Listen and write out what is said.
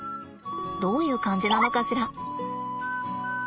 どういう感じなのかしら。